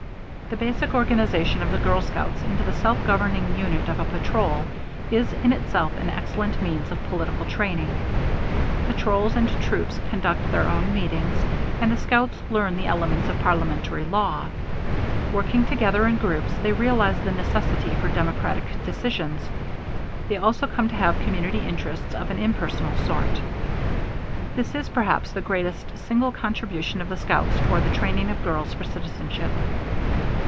_ The basic organization of the girl scouts into the self governing unit of a patrol is in itself an excellent means of political training. Patrols and troops conduct their own meetings, and the scouts learn the elements of parliamentary law. Working together in groups, they realize the necessity for democratic decisions. They also come to have community interests of an impersonal sort. This is perhaps the greatest single contribution of the scouts toward the training of girls for citizenship.